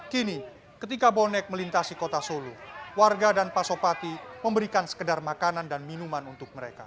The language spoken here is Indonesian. kini ketika bonek melintasi kota solo warga dan pasopati memberikan sekedar makanan dan minuman untuk mereka